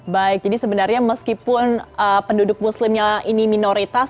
baik jadi sebenarnya meskipun penduduk muslimnya ini minoritas